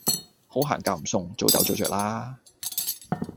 好行夾唔送，早走早著啦